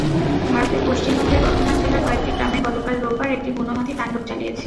ভারতের পশ্চিমবঙ্গের বর্ধমান জেলার কয়েকটি গ্রামে গতকাল রোববার একটি বুনো হাতি তাণ্ডব চালিয়েছে।